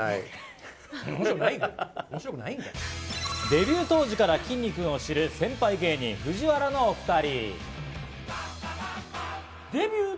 デビュー当時から、きんに君を知る先輩芸人・ＦＵＪＩＷＡＲＡのお２人。